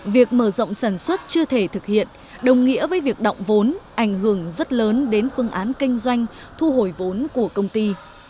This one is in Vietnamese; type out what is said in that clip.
việc mở rộng sản xuất chưa thể thực hiện đồng nghĩa với việc động vốn ảnh hưởng rất lớn đến phương án kinh doanh thu hồi vốn của công ty